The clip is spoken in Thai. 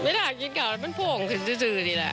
ไม่ได้กินกล่าวมันโพ่งมาซื่อนี้แหละ